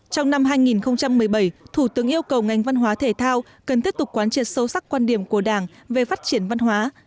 trong năm hai nghìn một mươi bảy thủ tướng yêu cầu ngành văn hóa thể thao cần tiếp tục quán triệt sâu sắc quan điểm của đảng về phát triển văn hóa